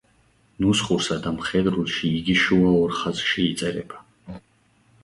ნუსხურსა და მხედრულში იგი შუა ორ ხაზში იწერება.